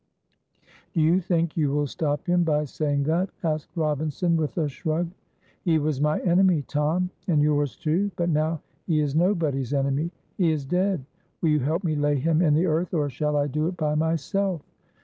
"Do you think you will stop him by saying that?" asked Robinson, with a shrug. "He was my enemy, Tom, and yours too; but now he is nobody's enemy; he is dead. Will you help me lay him in the earth, or shall I do it by myself?"